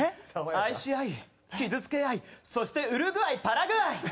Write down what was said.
愛し合い、傷つけ合いそしてウルグアイ、パラグアイ。